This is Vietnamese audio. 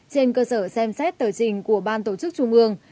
trên cơ sở xem xét tờ trình của ban tổ chức trung ương